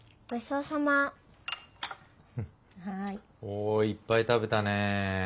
おいっぱい食べたね。